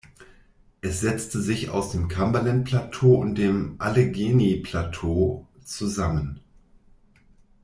Es setzt sich aus dem Cumberland-Plateau und dem Allegheny-Plateau zusammen.